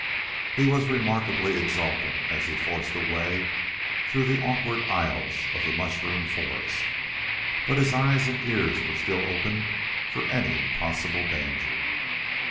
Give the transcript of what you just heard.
He was remarkably exultant as he forced a way through the awkward aisles of the mushroom forest, but his eyes and ears were still open for any possible danger.